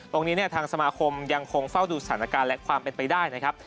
ตรงนี้เนี่ยทางสมาคมยังคงเฝ้าดูสถานการณ์และความเป็นไปได้นะครับ